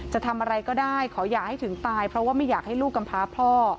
จะทำอะไรก็ได้ขออย่าให้ถึงตายเพราะว่าไม่อยากให้ลูกกำพาพ่อ